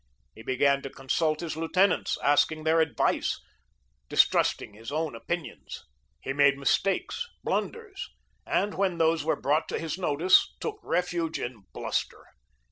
He began to consult his lieutenants, asking their advice, distrusting his own opinions. He made mistakes, blunders, and when those were brought to his notice, took refuge in bluster.